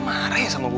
maat keantasan lagi